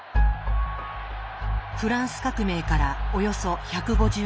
フランス革命からおよそ１５０年後。